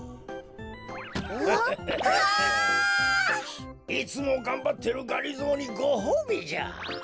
ん？わあ！いつもがんばってるがりぞーにごほうびじゃ。え！